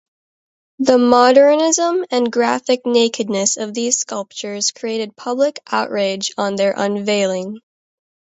The modernism and graphic nakedness of these sculptures created public outrage on their unveiling.